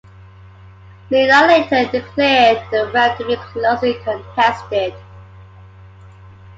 Leonard later declared the round to be closely contested.